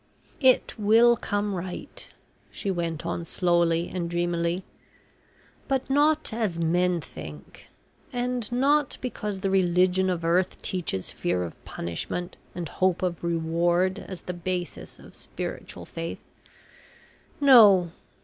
"It will come right," she went on slowly and dreamily, "but not as men think, and not because the religion of earth teaches fear of punishment and hope of reward as the basis of spiritual faith. No.